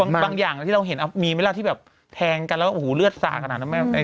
บางอย่างที่เราเห็นมีไหมล่ะที่แบบแทงกันแล้วโอ้โหเลือดสาขนาดนั้นแม่